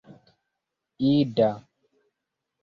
ida